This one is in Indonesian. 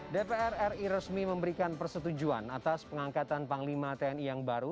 dpr ri resmi memberikan persetujuan atas pengangkatan panglima tni yang baru